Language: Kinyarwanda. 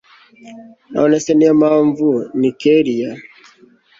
nonese niyo mpamvu ni kellia